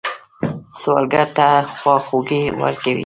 سوالګر ته خواخوږي ورکوئ